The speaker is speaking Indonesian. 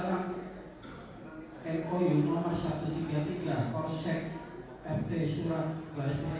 yang menjelaskan adalah yang bernama saudara dedy